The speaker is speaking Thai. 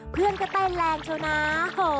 เพื่อนก็ได้แรงเท่านั้นนะ